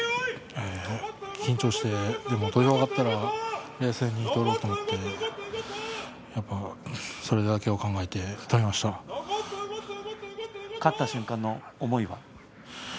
緊張してでも土俵に上がったら冷静に取ろうと思ってやっぱ、それだけを勝った瞬間の思いは？